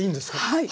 はい。